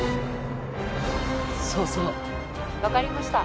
そうそう☎分かりました